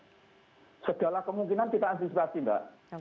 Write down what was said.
segala kemungkinan kita antisipasi mbak